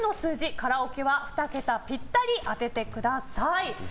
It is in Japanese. カラオケは２桁ぴったり当ててください。